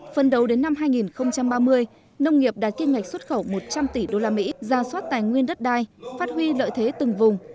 phần đầu đến năm hai nghìn ba mươi nông nghiệp đã kim ngạch xuất khẩu một trăm linh tỷ usd ra soát tài nguyên đất đai phát huy lợi thế từng vùng